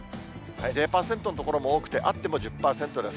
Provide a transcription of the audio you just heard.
０％の所も多くて、あっても１０％です。